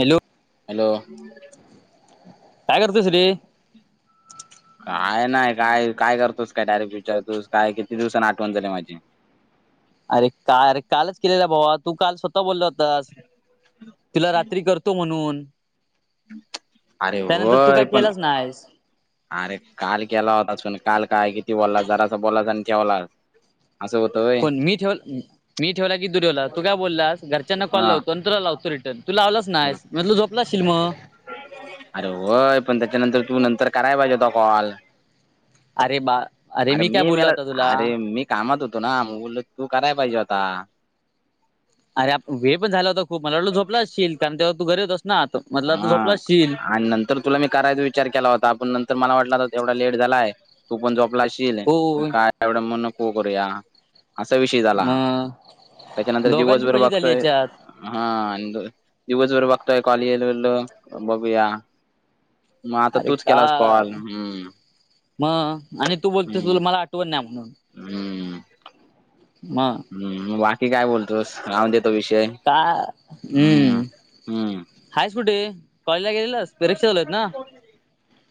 Hello hello काय करतोस रे? काय नाही काय काय करतोस काय डायरेक्ट विचारतोस काय किती दिवसांना आठवण झाले माझी अरे का अरे कालच केलेला भावा तू काल स्वतः बोलला होतास तुला रात्री करत तु म्हणुन अरे तू होय काय पण केलाच नाहीस अरे काल केला होता असून काल काय किती बोलला जरास बोलास आणि ठेवलास आसं होत कोण मी ठेव मी ठेवला की दुरेवला तू काय बोललास घरच्यांना कॉल हा लावतो नंतर लावतो रिटर्न तू लावलंच हा. नाहीस म्हट झोपलाशील मग अरे होय पण त्याच्यानंतर तु नंतर करायला पाहिजे होता कॉल अरे बा अरे मी काय बोललो मला आता तुला अरे मी कामात होतो मग बोलो तु करायला पाहिजे होता. अरे आपण वेळ पण झाला होता खूप मला वाट झोपलाचशील कारण तेव्हा तू घरी होतस ना मटला आ हा झोपलाचशील. आणि नंतर. तुला मी करायचा विचार केला होता पण नंतर मला वाटलं तर तेवढा लेट झालाय तू पण जोपलाशील होय काय एवढ मण नको करूया असा विषय झालाा मग त्याच्यानंतर दोघांची दिवसभर फजी झाली बघतोय. याच्यात हा दिवस बर बघतय कॉल इलो इलो बघूया. मग आता अरे तूच केलास काय कॉल हम्म मग आणि तु बोलतेस बोल मला आठवण नाही म्हणून हुम्म. मग हुम्म मग बाकी काय बोलतोस राहून देतो विषय का हुम्म. हम्म हायस कुठे कॉलेजला गेलेलंस परीक्षा आल्यात ना.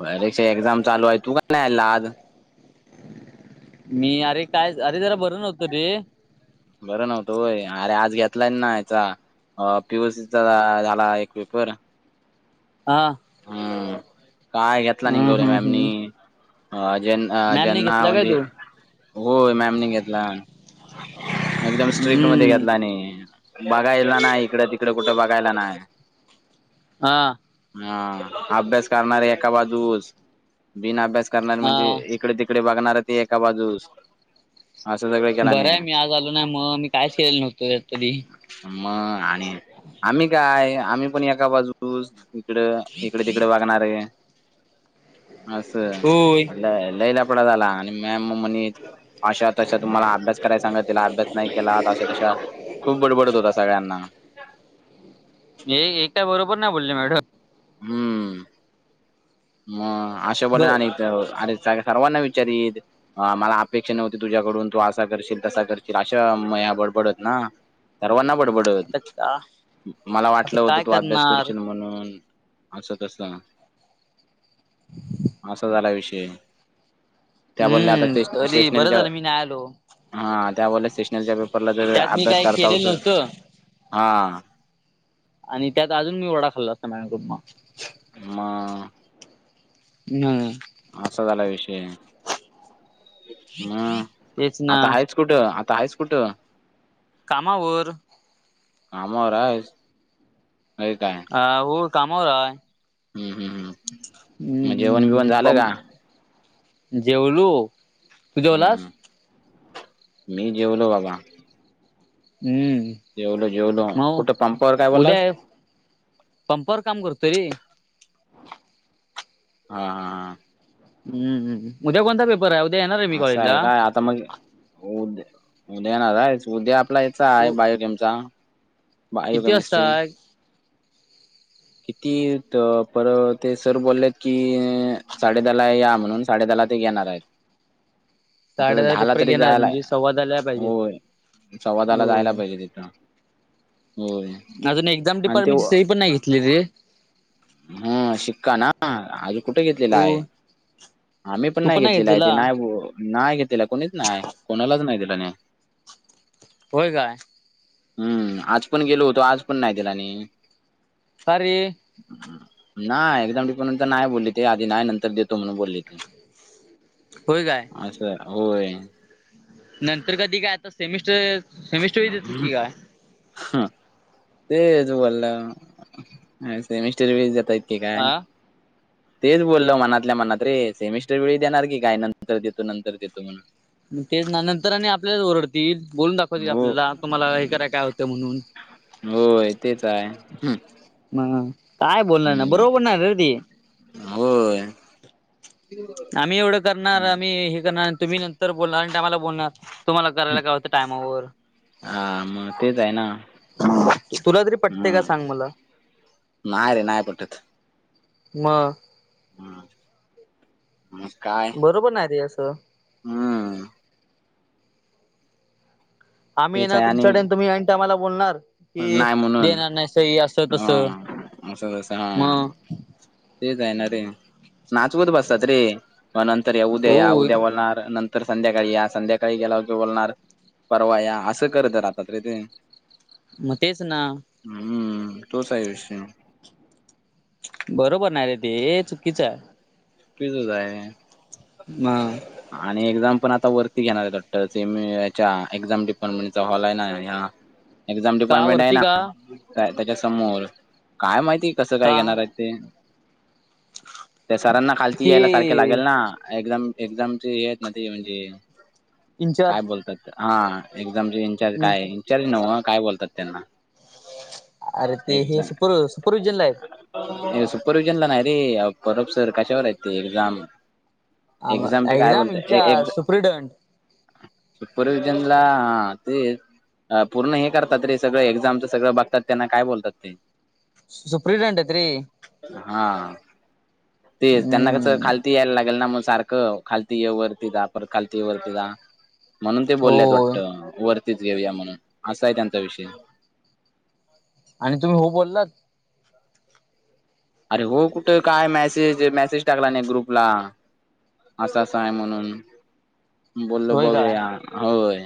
परीक्षा एक्झाम चालू आहे तू का नाही ला आज मी अरे काय अरे जरा बर नव्हतो रे. बरं नव्हतोय अरे आज घेतलाय ना याचा. अ पीओसीचा आ झाला एक पेपर. हा. हम्म काय घेतला हम्म इंगले हम्म मॅम हम्म अ जे अ मॅमने ज्यांना घेतला काय म्हणजे तू होय मॅमने घेतला. एकदम स्ट्रिक्ट मध्ये हम्म घेतला आणि बघायला नाही इकड तिकडं कुठं बघायला नाही. हा. हा अभ्यास करणारे एका बाजुस बिना अभ्यास करणारे हा म्हणजे ए इकडे तिकडे बघणार ते एका बाजुस असं सगळे. बरं आहे मी आज आलो ना मग मी कायच केलेलं नव्हतो तरी. मग आणि आम्ही काय आम्ही पण एका बाजूस. इकडं इकडे तिकडे बघणारे असं होय लय लफ. झालात आणि मॅम म्हणे अशा त तुम्हाला अभ्यास कराय सांगा. त्याला अभ्यास नाही केला अशा तशा खूप बडबडत होता सगळ्यांना एकट बरोबर ना बोलले मॅडम. हम्म. म असशा बोले बर आणि अरे सर्वांना विचारीत. अ मला अपेक्षा नव्हती तुझ्याकडून तू असा करशील तसा करशील अशा मया बडबडत ना. सर्वांना बडबडत आता का मला आता वाटलं होतं काय तू अभ्यास करणार करशील म्हणून. असं तस ना. असा झाला विषय त्या बदल्या आता हम्म स्टे तरी बरं स्टेशनरीच्या. झालं मी नाही आलो हा त्यामुळे स्टेशनरीच्या पेपरला जर त्यात मी अभ्यास काय करत केलेलं होत नव्हतं हा. आणि त्यात अजून मी वडा खाल्ला असता मॅम कुंब. म नाय. असा झाला विषय हम्म तेच ना आता आहेच. कुठं आता आहेस कुठं? कामावर. कामावर आहेस नाही काय. हाव कामावर हाय हम्म हम्म हम्म हम्म मग जेवण बिवण हम्म झालं का हम्म. जेवलू. तू हम्म हम्म जेवलास? मी जेवलो बाबा. हम्म जेवलो जेवलो. कुठं पंपवर काय मग उद्या बोललास? पंपावर काम करतो रे? हा हा हा हम्म हम्म. उद्या कोणता पेपर? [inaudible] असं आहे काय आता मग उद्या उद्या येणार हायस, उद्या आपला. याचा आहे तू बायोलॉजि चा बायो, किती वाजता केमिस्ट्री. किती ते पर ते सर बोललेत की साडेदहा ला या म्हणून. साडेदहा ला ते घेणार आहेत. साडे आपल्याला दहा दहाला पेपर तरी घेणार जायला म्हणजे सव्वा दहाला पाहिजेत होय, सव्वा दहाला हो जायला पाहिजे तिथं. होय अजून एक्झाम आणि ते डिपार्टमेंटची सही पण नाही घेतली रे. हम शिक्का ना आम्ही कुठे घेतलेला हो आहे आम्ही पण नाही घेतलेला आहे ते नाही. हो नाही घेतला कोणीच नाही कोणालाच नाही दिलानी. होय काय. हम्म आज पण गेलो होतो आज पण नाही दिलानी. का रे. नाही एक्झाम डिपार्टमेंट च नाही बोलले ते आधी नाही नंतर देतो म्हणून बोलली ते. होय काय. असं होय. नंतर कधी काय आता सेमिस्टर सेमिस्टर वेळी देत की काय. हम्म तेच बोलला सेमिस्टर वेळी देतात की काय. की काय आ तेच बोलल मनातल्या मनात रे सेमिस्टर वेळी देणार की काय नंतर देतो नंतर देतो म्हणून. तेच ना नंतर आणि आपल्यालाच ओरडतील बोलून दाखवतील हो आपल्याला तुम्हाला हे कराय काय होतं म्हणून. होय तेच आहे म काय बोलणार ना हम्म, बरोबर नाय रे ते होय. आम्ही एवढं करणार आम्ही हे करणार तुम्ही नंतर बोलणार ऐन टाइमला बोलणार. तुम्हाला करायला काय होतं टायमावर हा मग तेच आहे ना, तुला तरी पटते का हम्म. सांग मला नाही रे नाहीय पटत. म हम् मग काय बरोबर नाही रे असं हम्म आम्ही तेच येणार आहे आणि तुमच्याकडे तुम्ही ऐन टाइमला बोलणार की नाही म्हणून देणार नाही सही असं तस स हा असं तसं हा मग तेच आहे ना रे नाचवत बसतात रे म नंतर या उद्या या हो उद्या बोलणार नर तर संध्याकाळी या संध्याकाळी गेलावर बोलणार परवा या असं करत राहतात रे ते मग तेच ना हम्म तोच आहे विषय बरोबर नाय रे ते हे चुकीचं आहे. चुकीचंच आहे. म आणि एक्झाम पण आता वरती घेणार आहेत वाटतं सेमी याच्या एक्झाम डिपार्टमेंटचा हॉल आहे ना ह्या ह एक्झाम डिपार्टमेंट आहे ना त्याच्यासमोर काय माहिती कस काय का घेणार आहे ते सरांना खालती ते यायला सारखे लागेल ना एझाम एक्झामची हेेत ना ते म्हणजे काय इंचार्ज बोलतात हा एक्झामचे इंचार्ज काय इचार्ज नव काय बोलतात त्यांना अरे ते हे सुपर सुपरविहजन ला आहेत- सुपरविहिजन ला नाही रे परब सर कशावर आहेत ते एक्झाम आम एक्झामचे काय एक्झाम बोलत एक्झ इंचार्ज सुप्रिडंट सुपर्व्हिजन ला हे अ पूर्ण हे करतात रे सगळं एक्झामचं सगळं बघतात त्यांना काय बोलतात ते सुपरव्हिजन रे हा ते त्यांना कस हम्म खालती यायला लागेल ना म सारखं खालती वरती परत खालती वरती म्हणून ते बोलल्यात होय वाटतं वरतीच घेऊया म्हणून असा आहे त्यांचा विषय आणि तुम्ही हो बोललात अरे हो कुठे काय मेसेज मेसेज टाकला नाही ग्रुपला असं असं आहे म्हणून बोललो होय काय बघुया होय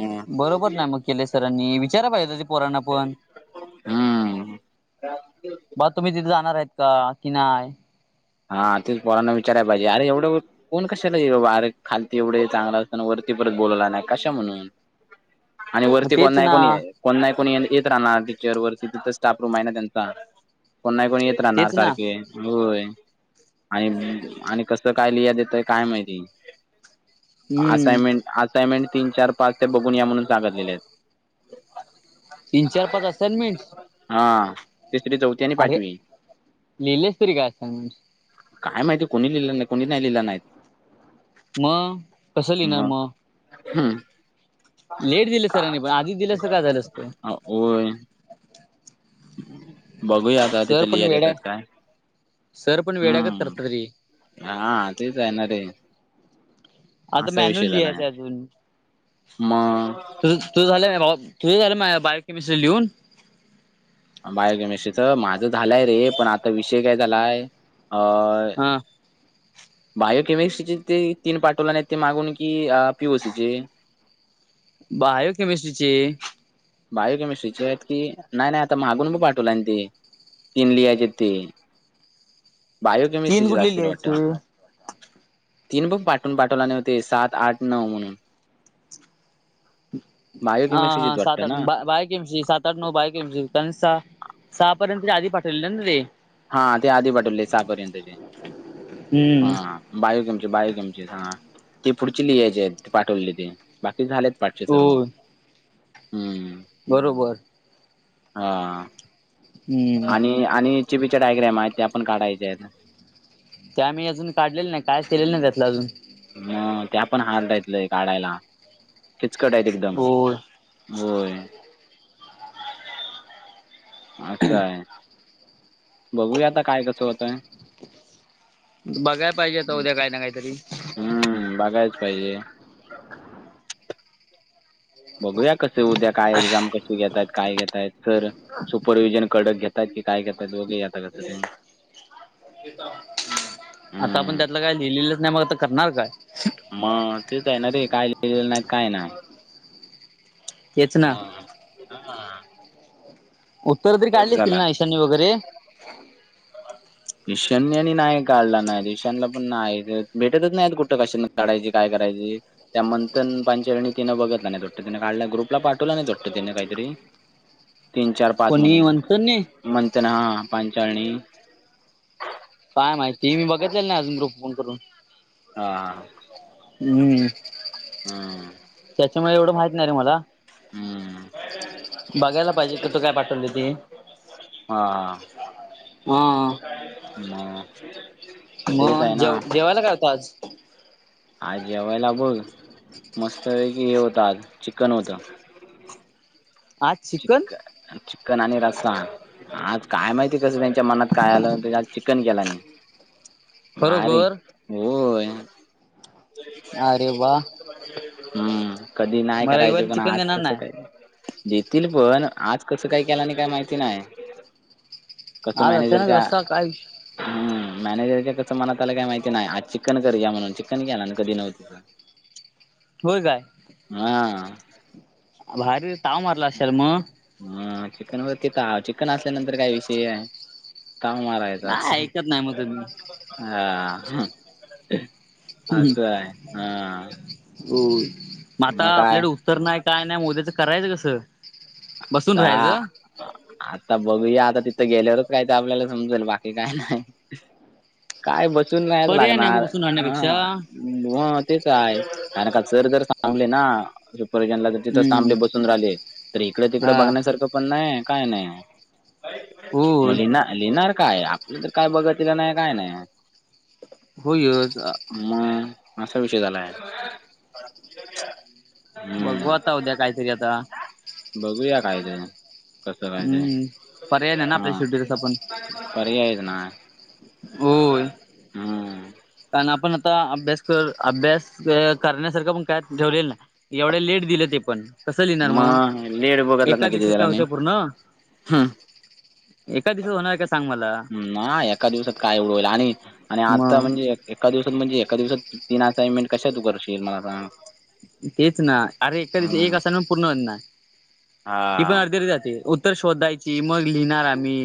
हम्म बरोबर ना मग केले सरांनी विचारा पाहिजे ते पोरांना पण हम्.. बर तुम्ही तिथे जाणार आहेत का, की नाही.. हा तेच पोरांना विचारय पाहिजेअरे एवढे.. कोण कशाला आर खालती एवढे चांगला असताना वरती परत बोलवला नाही कशा म्हणून [inaudible] आणि मग वरती कोण तेच नाही ना कोणी कोण नाही कोणी येत राहणार टीचर वरती तिथं स्टाफ रूम आहे ना त्यांचा कोण नाही कोणी येत राहणार तेच ना सारखे होय आणि आणि कस काय लिया देतय काय माहिती हम्म असायमेंट असाइनमेंट तीन चार पाच ते बघून या म्हणून सांगतलेले आहेत तीन चार पाच असायमेंट हा तिसरी, चौथी आणि पाचवी लिहिलेस तरी का असाइनमेंट्स? काय माहितीय कोणी लिहिलं नाही, कोणी नाही लिहिलं नाहीत. मग, कसं लिहिणार मग? हम्म. लेट दिलं सरांनी पण आधी दिले असते तर काय झालं असतं. होय. बघूया आता तिथं सर पण लिहायला वेडा देत्यात आहे काय. सर पण वेड्यागत हं. करतात कधी तर हां. तेच आहे ना रे. आता असा मॅन्यूल विषय झालाय. लिहायचं अजून मग तू तूझ झाले ऑफ तूझही झालं माझ बायोकेमिस्ट्री लिहून बायोकेमिस्ट्रीच माझं झालंय रे पण आता विषय काय झालाय अ हां. बायोकेमिस्ट्रीचे ते तीन पाठवला नाही ते मागून की पी ओ सी चे? बायोकेमिस्ट्रीची. बायोकेमिस्ट्रीचे आहेत की? नाही नाही आता मागून पण पाठवला आणि ते. तीन लिहायचे आहेत तीन. तीन बायोकेेमिस्ट्रीचेच कुठले असतील वाटतं. लिहायचे? तीन बुक पाठवून पाठवला न्हवं ते सात, आठ, नऊ म्हणून. हा बायोकेमिस्ट्रीची हा आहेत वाटतं. सात ना? बा बायोकेमिस्ट्री सात, आठ, नऊ बायोकेमिस्ट्री त्यांनी सहा, सहा पर्यंतच्या आधी पाठवलेले ना ते. हा, ते आधी पाठवले सहापर्यंतचे. हम्म हा. बायोकमस्ट्री, बायोकमस्ट्री हां! ते पुढचे लिहायचे आहेत, ते पाठवलेत ते. बाकी झालेत पाठचे हो सर्व. हम्म. बरोबर. हा, हम्म आणि आणि चि बीचे डायग्रॅम आहेत त्या पण काढायच्या आहेत. त्या मी अजून काढलेल्या नाही, कायच केलेलं नाही त्यातला अजून. हम, त्या पण हार्ड आहेत लय काढायला. खिचकट आहेत एकदम. होय. होय. असं आहे. बघूया आता काय कसं होतंय. बघाय पाहिजे आता उद्या काय करायचं ते. हम्म, बघायच पाहिजे. बघूया कस उद्या काय एक्झाम कशी घेतयत काय घेतयत सर. सुपरव्हिजन कडक घेतात की काय घेतात बघूया आता कसं ते. आता आपण हम्म त्यातलं काय लिहिलेलंच नाही मगता करणार काय? मग तेच आहे ना रे, काय लिहलं नाहीत काय नाही. तेच म? ना हा. उत्तर तरी तेच काढली असतील झाला ना ईशान ने वगैरे? ईशनने नाही काढला नाही, ईशनला पण नाही, भेटतच नाही कुठं कशाना काढयची काय करायची. त्या मंथन पांचरणीतिनं बघितला नाहीत वाटतं? त्यानं काढला ग्रुपला पाठवला नाही वाटतं त्यानं काहीतरी. तीन, चार, पाच कोणी म्हणून म्हणत नाही मंंतन हा पांचाळणी. ती मी बघितलेला नाही अजून ग्रुप फोन करून. हा. हम्म, हम्म त्याच्यामुळे एवढं माहित नाही रे मला. हम्म बघायला पाहिजे कुठं काय पाठवलंय ते. हा. हा म. मग, जेव जेवायला काय होता आज? आज जेवायला बघ मस्त पैकी हे होतं आज, चिकन होतं. चिकन, चिक्न आणि रसा. आज काय माहिती कसं त्यांच्या मनात काय आलं त्या आज चिकन केला नाही. मारी खरोखर हो. अरे वा. हम्म कधी नाही मग करायचे रविवारी पण चिकन आज देणार कसं नाही काय. तल पण आज कसं काय केलं आणि काय माहिती नाही. कसं आज मॅनेजर अचानक का. रस्ता काय हम् मॅनेजरच्या कस मनात त्याला काही माहिती नाही आज चिक्न करू घ म्हणून चिक्न घ्या ना कधी नव्हती- होय काय. हा. भारी ताव मारला असेल मग? हा, चिकन वरती तर हा, चिकन असल्यानंतर काय विषय आहे. ताव मारायचाच. काय ऐकत नाही मग तुम्ही हा, असं आहे. हा. हो मग आता आपल्याकडे उत्तर नाही काय नाही उद्याचं करायचं कसं? बसून आ. राहायचं आता बघूया आता तिथं गेल्यावरच काय ते आपल्याला समजेल बाकी काय नाही. काय बसून नाहीच पर्याय नाही मग लागणार बसून ह राहण्यापेक्षा हो तेच आहे कार का सर जर सांगले ना त्रिपरजनला तर तिथच हम्म थांबले बसून राहिले. तर इकडे तिकडे हा बघण्यासारखं पण नाही काय नाही. मग होय लिहणार -लिहणार काय आपलं तर काय बघतलं नाही काय नाही. होय. मग असा विषय झालाय. बघू आता हम्म उद्या कायतरी आता. बघूया काय ते. कसं काय ते हम्म. पर्याय नाही ना आपल्या शेवटी तस पण. पर्याय नाय. होय कारण आपण आता अभ्यास कर अभ्यास करण्यासारखं पण काय ठेवलेल नाही. एवढ्या लेट दिलं ते पण कसं लिहिणार मग लेट बघतलात ना एका किती दिवसात काय जणांनी होत्या पूर्ण एका दिवस होणार का सांग मला? ना एका दिवसात काय उडवेल आणि आणि आता मग म्हणजे एका दिवसात म्हणजे एका दिवसात तीन असाइनमेंट कश आहे तू करशील मला सांग? तेच ना अरे एका दिवशी एक हम्म असाइनमेंट पण पूर्ण होत ना हा ती पण अर्धी -अर्धी जाते. उत्तर शोधायची मग लिहिणार आम्ही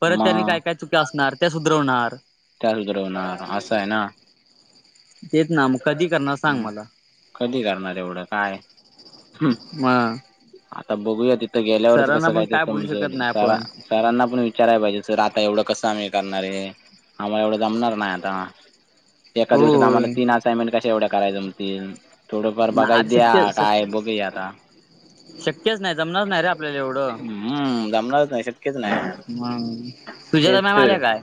परत त्यांनी मग काय- काय चुक्या असणार ते सुधरवणार. त्या सुधरवणार असं आहे ना. तेेच ना मग कधी करणार सांग हम्म. मला? कधी करणार एवढं काय हम्म. म. आता बघूया तिथं गेल्यावरच कसं पण काय ते बोलू शकत समजल नाही सारा आपण सरांना पण विचारायला पाहिजे सर आता एवढं कसं आम्ही करणार आहे. आम्हाला एवढं जमणार नाही आता एका दिवसात आम्हाला होय तीन असाइनमेंट कशा एवढ्या करायचं जमतील थोडंफार ना बघाय आता द्या शक्य काय बघू आता. [inaudible] शक्यच नाही जमणारच नाही रे आपल्याला एवढं हम्म जमणारच नाही शक्यच नाही ह. तुझ्या आणि तेच माझ्या तर आले काय.